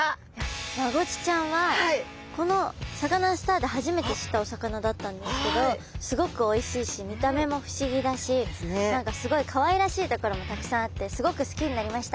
マゴチちゃんはこの「サカナ★スター」で初めて知ったお魚だったんですけどすごくおいしいし見た目も不思議だし。ですね。何かすごいかわいらしいところもたくさんあってすごく好きになりました。